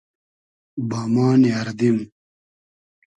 بامان اردیم